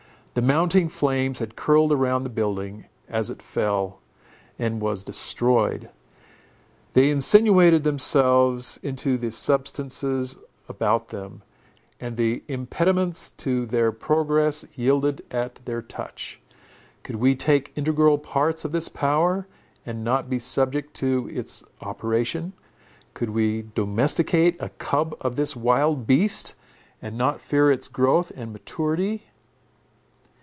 The mounting flames had curled round the building, as it fell, and was destroyed. They insinuated themselves into the substances about them, and the impediments to their progress yielded at their touch. Could we take integral parts of this power, and not be subject to its operation? Could we domesticate a cub of this wild beast, and not fear its growth and maturity?